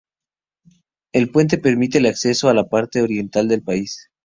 El puente permite el acceso a la parte oriental del país.